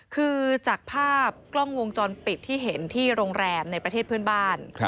คือจากภาพกล้องวงจรปิดที่เห็นที่โรงแรมในประเทศเพื่อนบ้าน